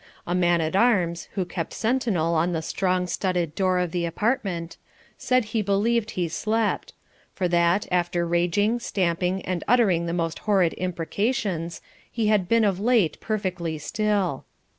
A man at arms, who kept sentinel on the strong studded door of the apartment, said he believed he slept; for that, after raging, stamping, and uttering the most horrid imprecations, he had been of late perfectly still.